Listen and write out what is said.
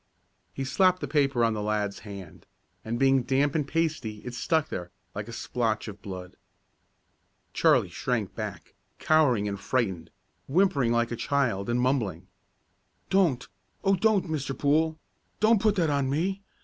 He slapped the paper on the lad's hand, and being damp and pasty it stuck there, like a splotch of blood. Charlie shrank back, cowering and frightened, whimpering like a child, and mumbling: "Don't! Oh, don't Mr. Poole. Don't put that on me.